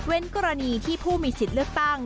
กรณีที่ผู้มีสิทธิ์เลือกตั้ง